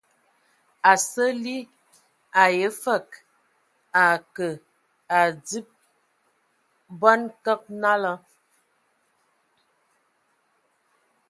A sǝ ali, e yǝ fǝg a akǝ a adib bɔn kǝg nalá.